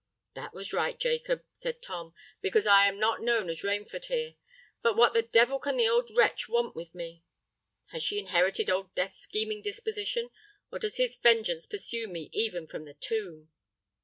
"That was right, Jacob," said Tom; "because I am not known as Rainford here. But what the devil can that old wretch want with me? Has she inherited Old Death's scheming disposition? or does his vengeance pursue me, even from the tomb?"